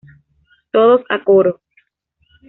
Todos a coro